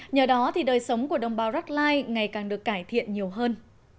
nhờ đó thì đời sống của đồng bào rắc lai ngày càng được cải thiện nhiều hơn